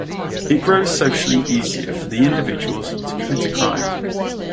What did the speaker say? It grows socially easier for the individuals to commit a crime.